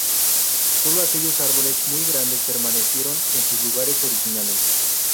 Solo aquellos árboles muy grandes permanecieron en sus lugares originales.